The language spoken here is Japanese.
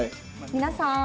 「皆さん！